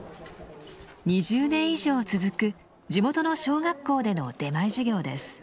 ２０年以上続く地元の小学校での出前授業です。